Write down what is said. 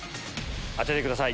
当ててください。